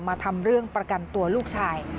ทำเรื่องประกันตัวลูกชาย